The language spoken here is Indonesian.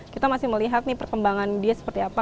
kita masih melihat nih perkembangan dia seperti apa